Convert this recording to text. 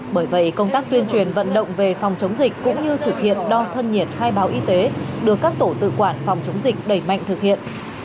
bởi vậy công tác tuyên truyền vận động về phòng chống dịch cũng như thực hiện đo thân nhiệt khai báo y tế được các tổ tự quản phòng chống dịch đẩy mạnh thực hiện